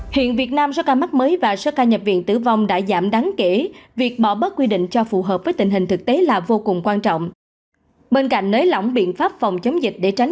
hãy đăng ký kênh để ủng hộ kênh của chúng mình nhé